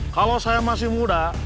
kalau saya masih muda